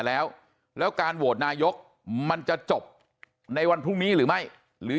แล้วแล้วการโหวตนายกมันจะจบในวันพรุ่งนี้หรือไม่หรือ